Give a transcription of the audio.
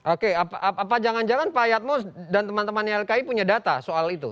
oke apa jangan jangan pak yatmo dan teman teman ylki punya data soal itu